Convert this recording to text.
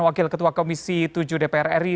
wakil ketua komisi tujuh dpr ri